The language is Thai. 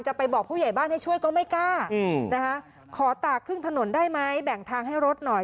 ไปบอกผู้ใหญ่บ้านให้ช่วยก็ไม่กล้านะคะขอตากครึ่งถนนได้ไหมแบ่งทางให้รถหน่อย